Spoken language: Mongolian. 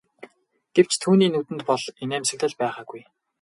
Гэвч түүний нүдэнд бол инээмсэглэл байгаагүй.